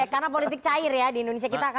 karena politik cair ya di indonesia